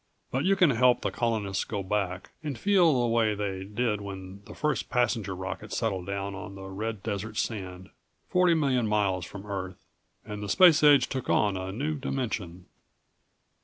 But you can help the Colonists go back, and feel the way they did when the first passenger rocket settled down on the red desert sand forty million miles from Earth and the Space Age took on a new dimension."